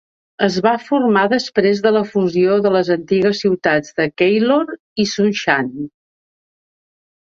Es va formar després de la fusió de les antigues ciutats de Keilor i Sunshine.